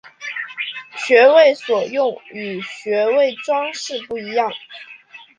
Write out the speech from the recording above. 学为所用与学为‘装饰’不一样